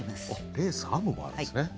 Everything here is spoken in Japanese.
「レース編む」もあるんですね。